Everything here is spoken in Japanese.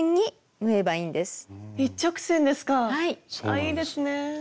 あいいですね。